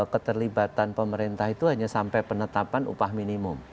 keterlibatan pemerintah itu hanya sampai penetapan upah minimum